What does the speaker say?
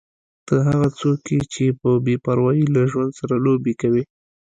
ته هغه څوک یې چې په بې پروايي له ژوند سره لوبې کوې.